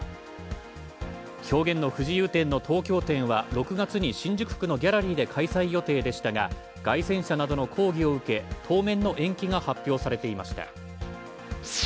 「表現の不自由展」の東京展は６月に新宿区のギャラリーで開催予定でしたが、街宣車などの抗議を受け、当面の延期が発表されていました。